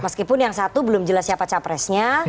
meskipun yang satu belum jelas siapa capresnya